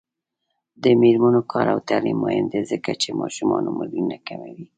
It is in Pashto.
د میرمنو کار او تعلیم مهم دی ځکه چې ماشومانو مړینه کموي.